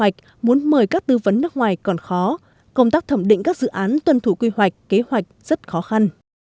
các tư vấn nước ngoài còn khó công tác thẩm định các dự án tuân thủ quy hoạch kế hoạch rất khó khăn